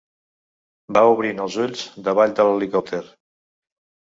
Va obrint els ulls davall de l’helicòpter.